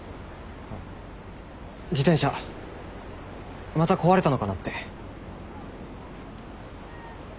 あ自転車また壊れたのかなって。